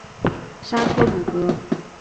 沙托鲁格。